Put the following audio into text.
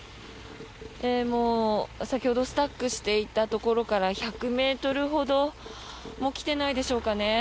先ほどスタックしていたところから１００ｍほども来てないでしょうかね。